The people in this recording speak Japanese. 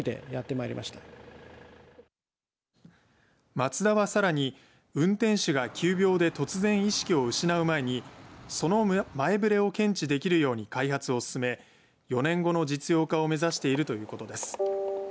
マツダは、さらに運転手が急病で突然意識を失う前にその前触れを検知できるように開発を進め４年後の実用化を目指しているということです。